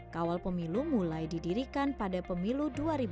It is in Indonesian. kawalpemilu mulai didirikan pada pemilu dua ribu empat belas